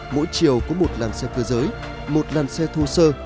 mỗi chiều có một làn xe cơ giới một làn xe thô sơ